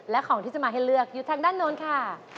และของที่จะมาให้เลือกอยู่ทางด้านโน้นค่ะ